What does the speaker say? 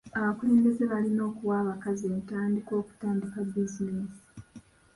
Abakulembeze balina okuwa abakazi entandikwa okutandika bizinesi.